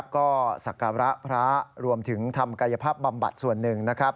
ก็สักการะพระรวมถึงทำกายภาพบำบัดส่วนนึงนะครับ